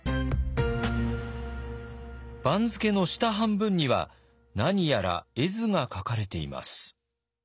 番付の下半分には何やら絵図が描かれています。